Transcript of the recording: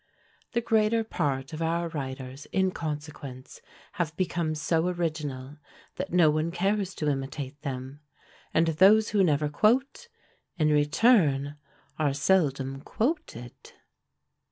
The greater part of our writers, in consequence, have become so original, that no one cares to imitate them; and those who never quote, in return are seldom quoted!